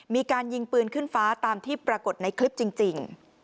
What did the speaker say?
มีการยิงปืนขึ้นฟ้าตามที่ปรากฏในคลิปจริง